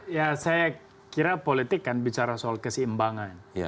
ya saya kira politik kan bicara soal keseimbangan